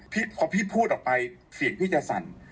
พอพี่พูดออกไปเสียงพี่จะสั่น